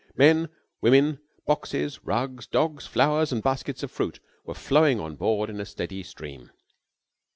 Men, women, boxes, rugs, dogs, flowers and baskets of fruit were flowing on board in a steady stream.